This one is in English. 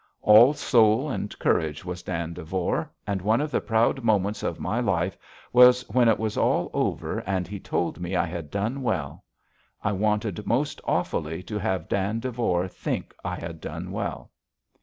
All soul and courage was Dan Devore, and one of the proud moments of my life was when it was all over and he told me I had done well. I wanted most awfully to have Dan Devore think I had done well.